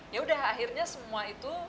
yaudah akhirnya semua itu